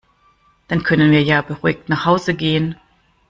Dann können wir ja beruhigt nach Hause gehen.